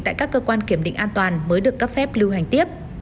tại các cơ quan kiểm định an toàn mới được cấp phép lưu hành tiếp